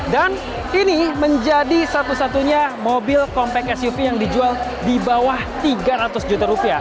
dan ini menjadi satu satunya mobil compact suv yang dijual di bawah tiga ratus juta rupiah